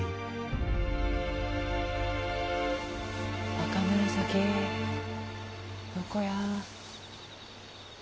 若紫どこや。